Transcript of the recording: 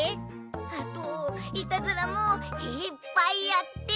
あとイタズラもいっぱいやって。